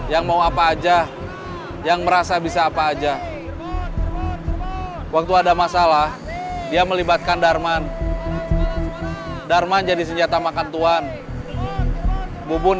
itu yang di jembatan siapa